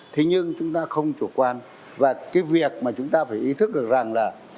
thế nhưng chúng ta không chủ quan và cái việc mà chúng ta phải ý thức được rằng là